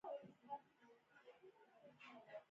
د کندهار تربوز هم ډیر کیفیت لري.